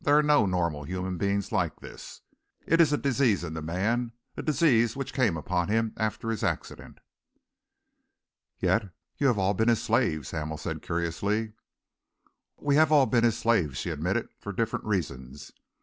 There are no normal human beings like this. It is a disease in the man, a disease which came upon him after his accident." "Yet you have all been his slaves," Hamel said curiously. "We have all been his slaves," she admitted, "for different reasons.